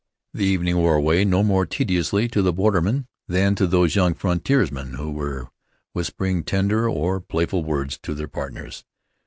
The evening wore away no more tediously to the borderman, than to those young frontiersmen who were whispering tender or playful words to their partners.